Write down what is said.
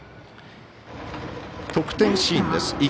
得点シーンです。